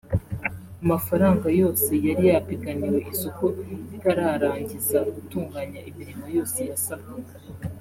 amafaranga yose yari yapiganiwe isoko itararangiza gutunganya imirimo yose yasabwaga